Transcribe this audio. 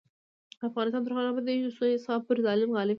افغانستان تر هغو نه ابادیږي، ترڅو انصاف پر ظلم غالب نشي.